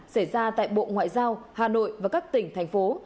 xảy ra tại bộ ngoại giao hà nội và các tỉnh thành phố